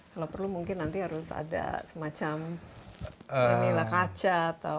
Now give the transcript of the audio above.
kalau perlu mungkin nanti harus ada semacam kaca